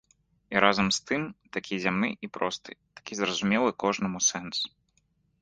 І разам з тым такі зямны і просты, такі зразумелы кожнаму сэнс.